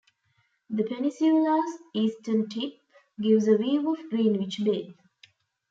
The peninsula's eastern tip gives a view of Greenwich Bay.